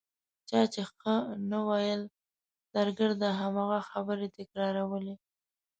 چا چې ښه نه ویل درګرده هماغه خبرې تکرارولې.